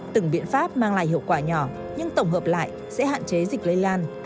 từng biện pháp mang lại hiệu quả nhỏ nhưng tổng hợp lại sẽ hạn chế dịch lây lan